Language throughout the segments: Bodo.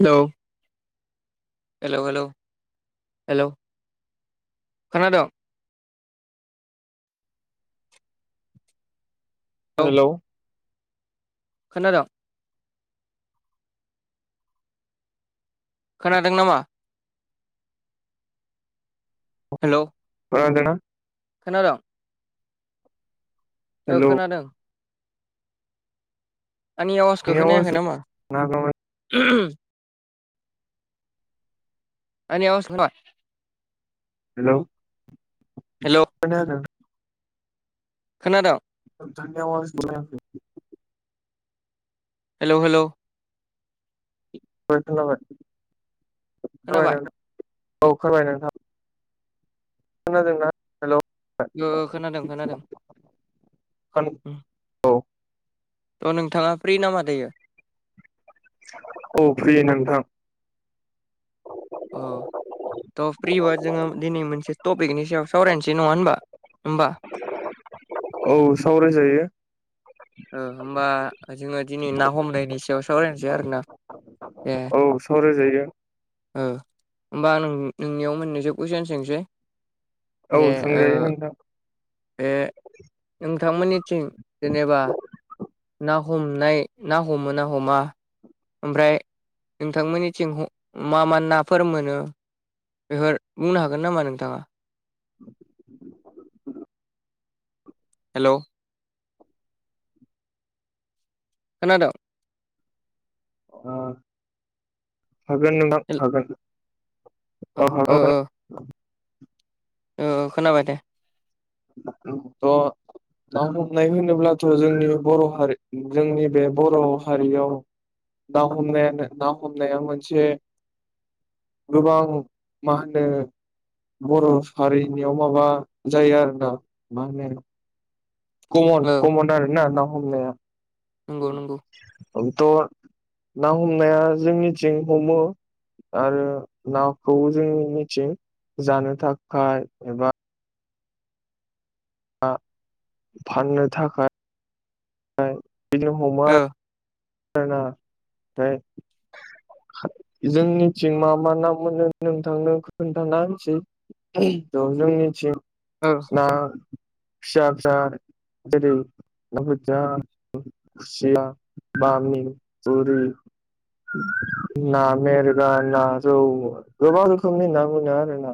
हेलौ हेलौ हेलौ हेलौ खोनादों? हेलौ खोनादोंं खोनादों नामा? हेलौ खोनादोंना खोनादोंं ओ हेलौ खोनादों आंनि आवासखौ नोंनि आवाज खोनायाखै नामा? आं आवास [unintelligible] हेलौ खोनादों खोनादो नोंथांनि आवाज [inaudible] जाखै हेलौ हेलौ खोनाबाय खोनाबय खोनाबाय नोंथां औ फोरमाय नोंथां खोनादोंना हेलौ ओ खोनादों खोनादों औ अ नोंथांआ फ्रि नामा दायो? औ फ्रि नोंथां ओ थ' फ्रिबा जोङो दिनै मोनसे टपिकनि सायाव सावरायनोसै नङा होनबा होमबा [inaudible] औ सावरायजायो होमबा ओ जोङो दिनै ना हमनायनि सायाव सावरायनोसै आरो ना औ सावराय जायो ओ होमबा नों नोंनियाव मोननैसो कुइसन सोंसै औ जे ओ सोंजायो नोंथा बे नोंथांमोननिथिं जेनोबा ना हमनाय ना हमो ना हमा आमफ्राय नोंथांमोननिथिं ह मा मा नाफोर मोनो बेफोर बुंनो हागोन नामा नोंथांआ [unintelligible] हेलौ खोनादं ओ हागोन नोंथां हागोन ओ औ ओ हागोन ओ ओ खोनाबाय दे थ' ना हमनाय होनोब्लाथ' जोंनि बर' हारि जोंनि बे बर' हारिआव ना हमनायानो ना हमनाया मोनसे गोबां मा होनो बर' सारैरिनिआव माबा जायो आरोना मा होनो कमन ओ कमन आरो ना ना हमनाया नंगौ नंगौ उम थ' ना हमनाया जोंनिथिं हमो आरो नाखौ जों मिथियो जानो थाखाय एबा ना फाननो थाखाय फ्राय बिदिनो हमो ओ आरोना आमफाय जोंनिथिं मा मा ना मोनो नोंथांनो खोन्थाना होनसै ओ [unintelligible] फिसा फिसाेरैसि [unintelligible] बामि थुरि ना मेरगा ना रौ गोबां रोखोमनि ना मोनो आरो ना।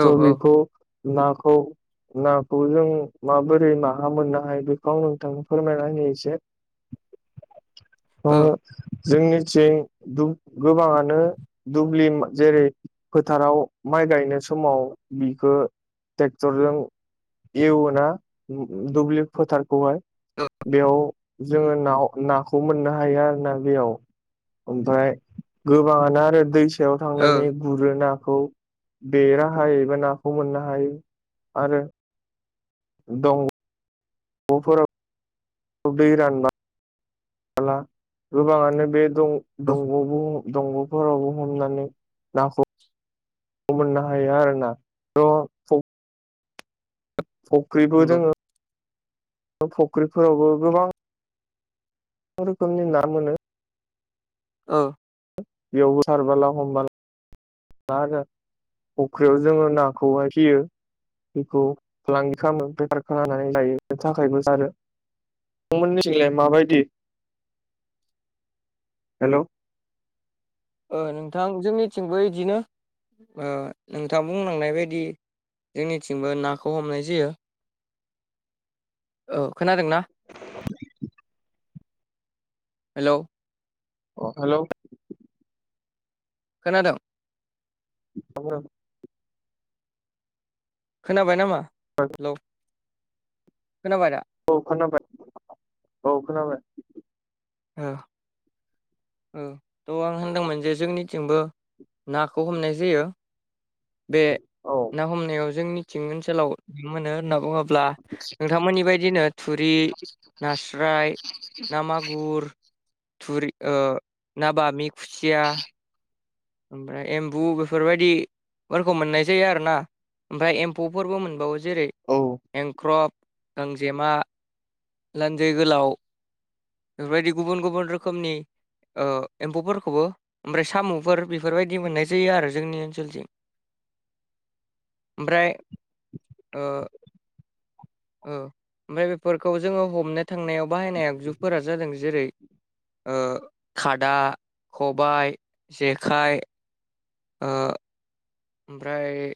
औ औ बेखौ नाखौ नाखौ जों माबोरै माहा मोननो हायो बेखौ आं नोंथां फोरमायना होनि एसे [unintelligible] अ ओ जोंनिथिं गोबाङानो दुब्लि जेरै फोथाराव माइ गायनाय समाव बिखौ ट्रेक्टरजों एवोना दुब्लि फोथारखौहाय बेयाव जोङो नाव नाखौ मोननो हायो आरो ना बेयाव ओमफ्राय गोबाङानो आरो दै सायाव थांनानै गुरोना खौ बेराहायैबो नाखौ मोननो हायो आरो दं नफोराव दै रानबा बाला गोबाङानो बे ओ दं-दंग'बो दंग'फोरावबो हमनानै नाखौ मोननो हायो आरोना थ' फख्रिबो नंगौ दोङो फुख्रिफोरावबो गोबां रोखोमनि ना मोनो। औ बेयावबो सारबोला हमबला आरो फख्रियाव जोङो नाखौहाय फियो। बेखौ फालांगि खालामो बेटफार खालामनानै लायो बेनि थाखायबो नोंथांमोननिथिंलाय माबायदि हेलौ ओ नोंथांजों मिथिंबो इदिनो ओ नोंथां बुंलांनाय बायदि। जोंनिथिंबो नाखौ हमनाय जायो। औ खोनादों ना? [inaudible] हेलौ औ हेलौ खोनादोंं औ खोनाबाय नामा हेलौ खोनाबाय दा? औ खोनाबाय औ खोनाबाय। [unintelligible] थ' आं होनदोंमोन जे जोंनिथिंबो नाखौ हमनाय जायो। बे औ ना हमनायाव जोंनिथिंनि ओनसोलाव [unintelligible] मोनो होनना बुङो ब्ला नोंथांमोननि बादिनो थुरि नास्राय ना मागुर, थुरि ओ ना बामि, खुसिया ओमफ्राय एम्बु बेफोरबायदिफोरखौ मोननाय जायो आरो ना। ओमफ्राय एम्फौफोरबो मोनबावो जेरै औ एंख्रप गांजेमा लानजाइ गोलाव बेफोरबायदि गुबुन गुबुन रोखोमनि ओ एम्फौफोरखौबो ओमफ्राय साम'फोर बेफोरबायदि मोननाय जायो आरो जोंनि ओनसोलथिं। ओमफ्राय ओ औ ओमफ्राय बेफोरखौ जोङो हमनो थांनायाव बाहायनाय आगजुफोरा जादों जेरै ओ खादा, खबाय, जेखाइ ओ ओमफ्राय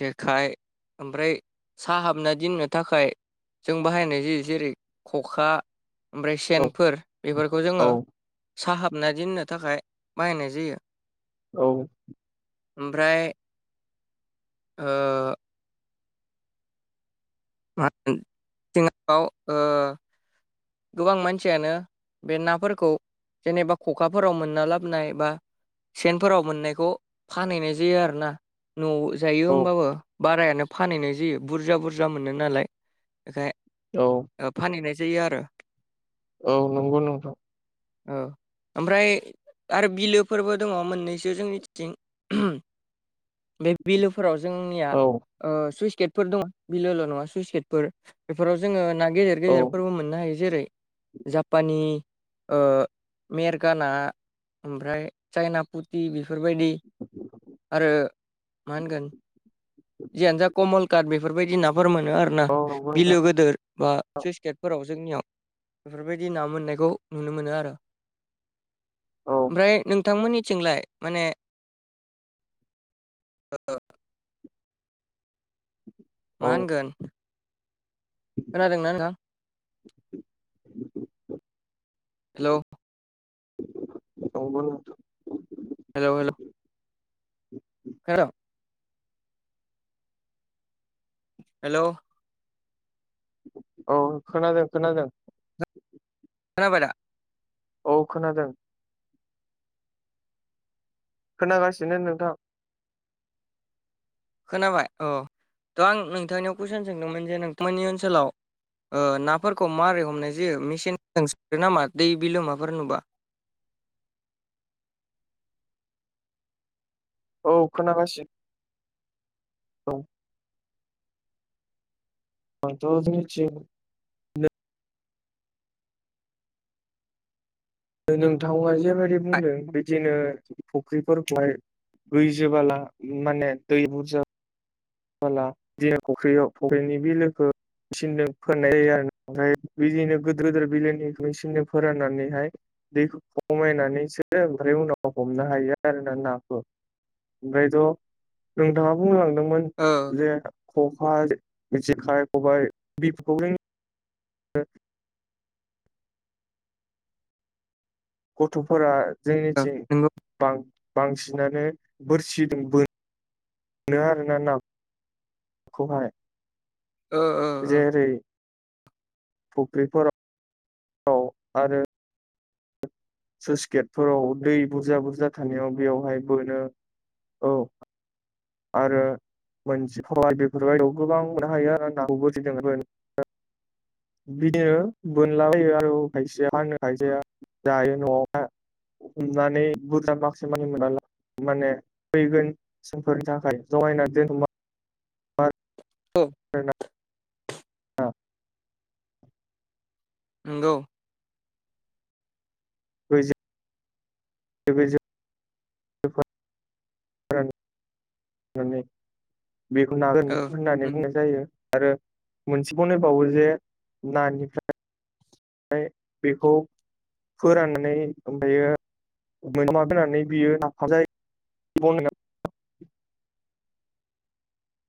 जेखाइ ओमफ्राय साहाबना दिननो थाखाय जों बाहायनाय जायो जेरै खखा ओमफ्राय औ सेनफोर बेफोरखौ जोङो साहाब ना दिननो थाखाय बाहायनाय जायो। औ ओमफ्राय ओ मा होन [unintelligible] ओ गोबां मानसियानो बे नाफोरखौ जेनेबा खखाफोराव मोनना लाबोनाय बा सेनफोराव मोननायखौ फानहैनाय जायो आरोना। न'आव जायो औ होमबाबो बारायानो फानहैनाय जायो बुरजा बुरजा मोनो नालाय। बेखाय औ फानहैनाय जायो आरो। औ नंगौ नोंथां। औ ओमफ्राय आरो बिलोफोरबो दङ मोननैसो जोंनिथिं। बे बिलोफोराव जोंनिया औ सुइसगेटफोर दं बिलोल' नङा सुइसगेटफोर बेफोराव जोङो ना गेदेर औ गेदेर फोरबो मोननो हायो जेरै जापानि मेरगा ना ओमफ्राय चायनापुथि बेफोरबायदि आरो मा होनगोन जियानो जा कमल काट बेफोरबायदि नाफोर मोनो आरोना औ नंगौ नोंथां बिलो गोदोर बा सुइस गेटफोराव जोंनियाव बेफोरबायदि ना मोननायखौ नुनो मोनो आरो। औ ओमफ्राय नोंथांमोननिथिंलाय माने औ औ मा होनगोन खोनादोंना नोंथां? [inaudible] हेलौ [unintelligible] हेलौ हेलौ [inaudible] [unintelligible] हेलौ औ खोनादों खोनादों। खोनाबायदा? औ खोनादों। खोनागासिनो नोंथां। खोनाबाय औ थ' आं नोंथांनियाव कुइसन सोंदोंमोन जे नोंथांमोननि ओनसोलाव ओ नाफोरखौ मारै हमनाय जायो मेसिनजों सारो नामा दै बिलोमाफोर नुबा? [inaudible] औ खोनागासिनो। औ [unintelligible] जोंनिथिं नो नोंथावा जेरैबायदि बुंदों बिदिनो फुख्रिफोरखौहाय दै जोबोला माने दै बुरजा बोला [unintelligible] फुख्रियाव फुख्रिनि बिलोखो मेचिनजों फोरनाय जायो आरो ओमफ्राय बिदिनो गिदोर गोदोर बिलोनि मेचिनजों फोराननानैहाय दैखौ खमायनानैसो ओमफ्राय उनाव हमनो हायो आरो ना नाखौ। ओमफ्रायथ' नोंथाङा बुंलांदोंमोन। ओ जे खखा जेखाइ खबाइ बेफोरखौ नों [unintelligible] गथ'फोरा ओ नंगौ जोंनिथिं बांसिनानो बोरसि दों बो नो आरोना नाखौहाय ओ ओ ओ जेरै फुख्रिफोराव आरो सुइस गेटफोराव दै बुरजा बुरजा थानायाव बेयावहाय बोनो औ आरो मोनजि पावार बेफोरबायदियाव गोबां मोननो हायो आरो नाखौ बजिदों बिदिनो बोनलाबायो आरो खायसेया फानो खायसेया जायो न'आवहा हमनानै बुरजा माखासे मानि मोनला माने फैगोन जोंफोरनि थाखाय जगायनानै दोन औ नोंगौ। [unintelligible] [unintelligible] बेखौ नागोन ओ होननानै बुंनाय जायो आरो। मोनसे बनायबावोजे नानिफ्राय हाय बेखौ फोराननानै ओमफायो [unintelligible] बियो नाफाम जायो। [unintelligible]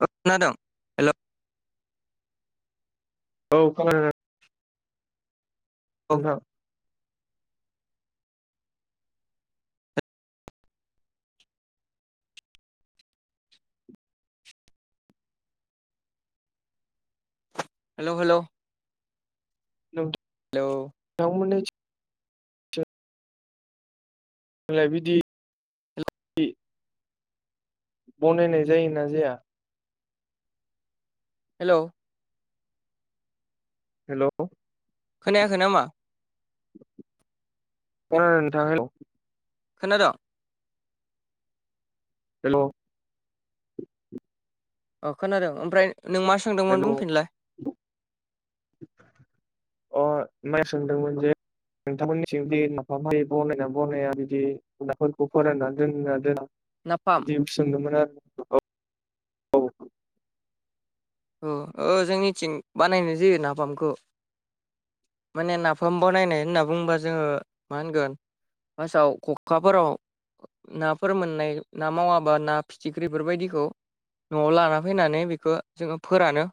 ओ खोनादों हेल' औ खोनादों। नोंथां हेल' हेल' हेलौ [unintelligible] होलाय बिदि दि बनायनाय जायोना जाया। हेल' हेल' खोनायाखै नामा? ओ नोंथां औ खोनादोंं। हेल' औ खोनादों ओमफ्राय नों मा सोंदोंमोन हेल' बुंफिनलाय। अ नाय सोंदोंमोन जे नोंथांमोननिथिं बे नाफाम बनायोना बनाया बिदि नाफोरखौ फोरानना दोनना दोना नाफाम बिदि सोंदोंमोन आरो औ। औ औ जोंनिथिं बानायनाय जायो नाफामखौ माने नाफाम बानायनाय होनना बुङोबा जोङो मा होनगोन। बासाव खखाफोराव नाफोर मोननाय ना मावाबा ना फिथिख्रिफोरबायदिखौ न'आव लाना फैनानै बेखौ जोङो फोरानो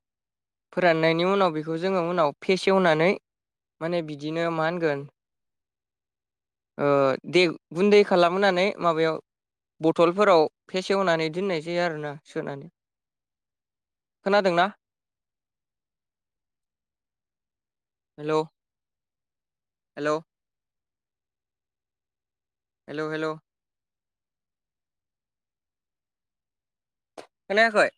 फोराननायनि उनाव बेखौ जोङो उनाव फेसेवनानै माने बिदिनो मा होनगोन। दे गुन्दै खालामानै माबायाव बथलफोराव फेसेवनानै दोननाय जायो आरोना सोनानै खोनादोंना? हेलौ हेलौ हेलौ हेलौ खोनायाखै?